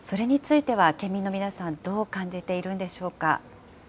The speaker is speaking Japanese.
それについては県民の皆さん、どう感じているんでしょうか。